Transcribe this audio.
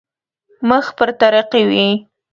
مخ پر ترقي وي.